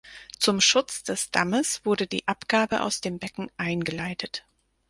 Zum Schutz des Dammes wurde die Abgabe aus dem Becken eingeleitet.